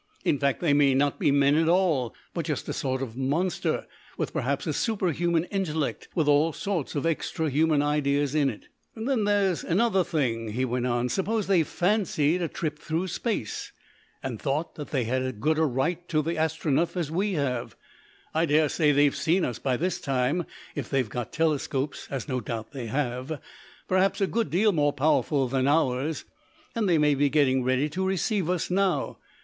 In fact, they may not be men at all, but just a sort of monster with perhaps a superhuman intellect with all sorts of extra human ideas in it. "Then there's another thing," he went on. "Suppose they fancied a trip through Space, and thought that they had as good a right to the Astronef as we have? I daresay they've seen us by this time if they've got telescopes, as no doubt they have, perhaps a good deal more powerful than ours, and they may be getting ready to receive us now.